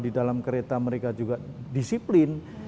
di dalam kereta mereka juga disiplin